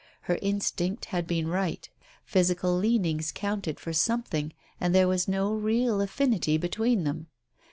Her instinct had been right. Physical leanings counted for something, and there was no real affinity between them.